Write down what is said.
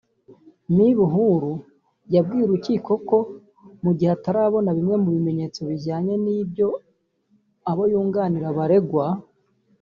Me Buhuru yabwiye urukiko ko mu gihe atarabona bimwe mu bimenyetso bijyanye n’ibyo abo yunganira baregwa